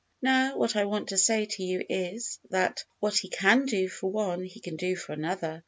Now, what I want to say to you, is, that what He can do for one, He can do for another.